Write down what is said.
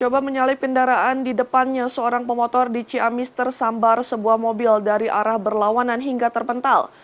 coba menyalip kendaraan di depannya seorang pemotor di ciamis tersambar sebuah mobil dari arah berlawanan hingga terpental